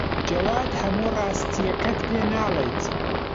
جەواد هەموو ڕاستییەکەت پێ ناڵێت.